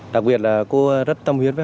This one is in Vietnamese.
đặc biệt là cô rất tâm huyết với